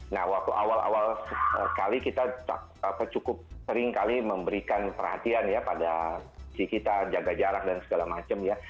nah waktu awal awal sekali kita cukup seringkali memberikan perhatian ya pada si kita jaga jarak dan segala macam ya